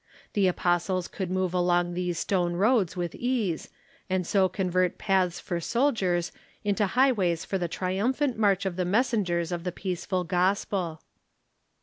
The apostles could move along these stone roads with ease, and so convert paths for soldiers into highways for the tri umphant march of the messengers of the peaceful gospel.